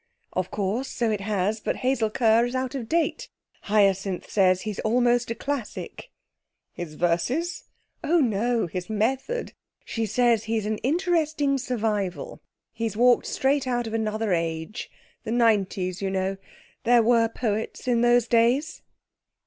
'Of course, so it has. But Hazel Kerr is out of date. Hyacinth says he's almost a classic.' 'His verses?' 'Oh no! His method. She says he's an interesting survival he's walked straight out of another age the nineties, you know. There were poets in those days.'